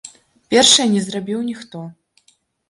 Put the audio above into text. Першае не зрабіў ніхто.